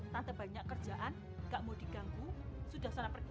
tante banyak kerjaan gak mau diganggu sudah sana pergi